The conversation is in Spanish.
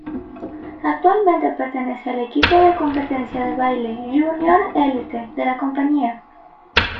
Actualmente pertenece al equipo de competencia de baile "Junior Elite" de la compañía.